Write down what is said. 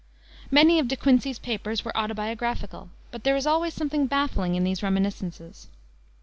Many of De Quincey's papers were autobiographical, but there is always something baffling in these reminiscences.